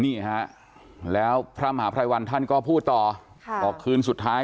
นี่ฮะแล้วพระมหาภัยวันท่านก็พูดต่อบอกคืนสุดท้าย